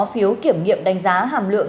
phiếu kiểm nghiệm đánh giá hàm lượng